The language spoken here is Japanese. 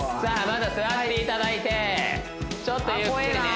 まずは座っていただいてちょっとゆっくりね